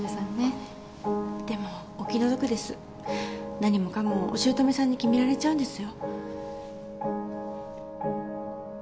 何もかもおしゅうとめさんに決められちゃうんですよ。